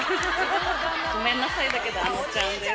ごめんなさいだけど、あのちゃんです。